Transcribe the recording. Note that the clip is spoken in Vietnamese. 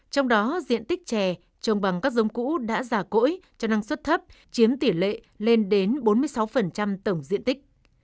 trong đó diện tích chè trồng bằng các giống cũ đã già cỗi cho năng suất thấp chiếm tỷ lệ lên đến bốn mươi sáu tổng diện tích